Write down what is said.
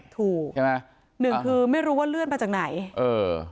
ถูกใช่ไหมหนึ่งคือไม่รู้ว่าเลื่อนมาจากไหนเออ